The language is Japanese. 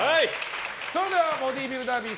それではボディービルダービー